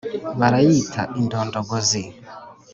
Barayita indondogozi!